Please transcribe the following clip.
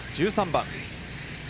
１３番。